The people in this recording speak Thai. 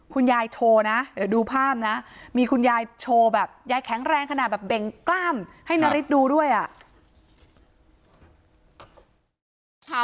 เดี๋ยวดูภาพมีคุณยายแข็งแรงแบบเบงกล้ามให้นริสดูด้วยอ่ะ